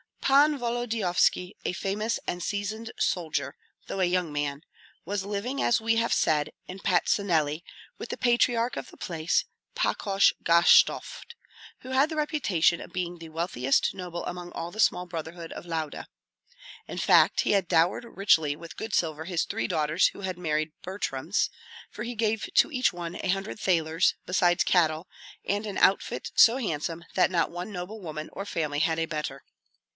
Pan Volodyovski a famous and seasoned soldier, though a young man was living, as we have said, in Patsuneli with the patriarch of the place, Pakosh Gashtovt, who had the reputation of being the wealthiest noble among all the small brotherhood of Lauda. In fact, he had dowered richly with good silver his three daughters who had married Butryms, for he gave to each one a hundred thalers, besides cattle, and an outfit so handsome that not one noble woman or family had a better.